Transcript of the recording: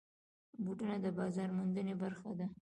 بوټونه د بازار موندنې برخه ده.